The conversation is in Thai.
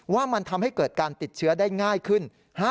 ว่ามันทำให้เกิดการติดเชื้อได้ง่ายขึ้น